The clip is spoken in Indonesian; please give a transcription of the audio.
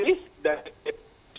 ini tidak ada di